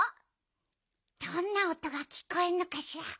どんなおとがきこえるのかしら。